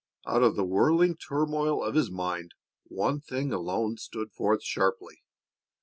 Out of the whirling turmoil of his mind one thing alone stood forth sharply.